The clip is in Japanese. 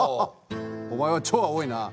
お前は超青いな。